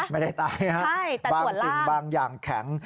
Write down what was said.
ไม่ได้ตายฮะบางสิ่งบางอย่างแข็ง